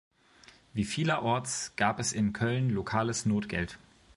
Wie vielerorts gab es in Köln lokales Notgeld.